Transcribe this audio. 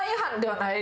はい。